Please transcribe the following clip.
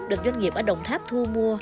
được doanh nghiệp ở đồng tháp thu mua